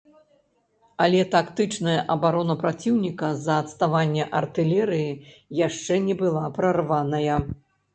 Але тактычная абарона праціўніка з-за адставання артылерыі яшчэ не была прарваная.